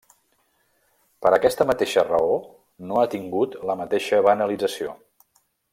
Per aquesta mateixa raó, no ha tingut la mateixa banalització.